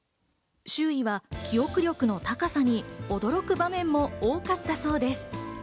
周囲は記憶力の高さに驚く場面も多かったそうです。